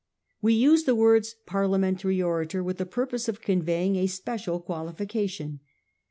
"We use the words Parliamentary orator with the purpose of conveying a special qualification.